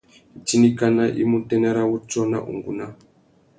Itindikana i mú utênê râ wutiō na ungúná.